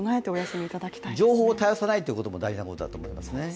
情報を絶やさないというのも大事だと思いますね。